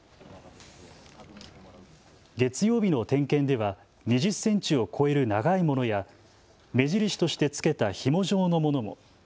月曜日の点検では２０センチを超える長いものや目印として付けたひも状のものも。